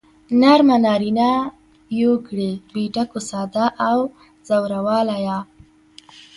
نرمه نارينه يوگړې بې ټکو ساده او زورواله يا